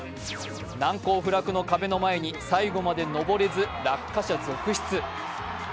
難攻不落の壁の前に最後まで登れず落下者続出。